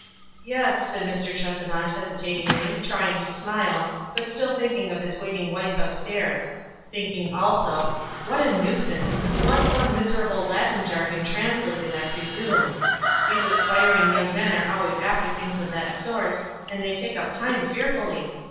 "Yes," said Mr. Tresevant, hesitatingly, trying to smile, but still thinking of his waiting wife up stairs ; thinking also, "What a nuisance ! He wants some miserable Latin jargon trans lated, I presume. These aspiring young men are always after things of that sort, and they take up time fearfully.